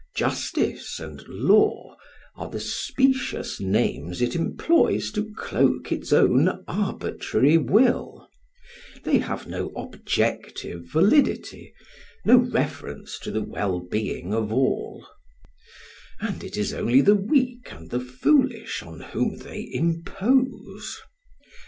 "Justice" and "Law" are the specious names it employs to cloak its own arbitrary will; they have no objective validity, no reference to the well being of all; and it is only the weak and the foolish on whom they impose.